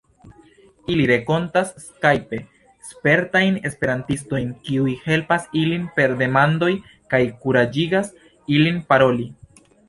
Ili renkontas skajpe spertajn esperantistojn, kiuj helpas ilin per demandoj, kaj kuraĝigas ilin paroli.